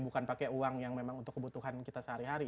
bukan pakai uang yang memang untuk kebutuhan kita sehari hari